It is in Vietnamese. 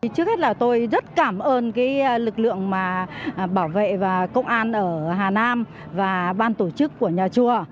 trước hết là tôi rất cảm ơn lực lượng bảo vệ và công an ở hà nam và ban tổ chức của nhà chùa